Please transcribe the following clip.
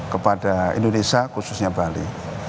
kepada indonesia khususnya bali